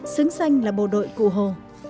xứng danh là bộ đội cụ hồ